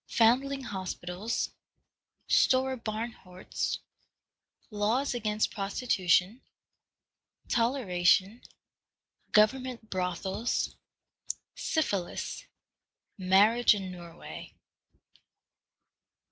Foundling Hospitals. Stora Barnhordst. Laws against Prostitution. Toleration. Government Brothels. Syphilis. Marriage in Norway.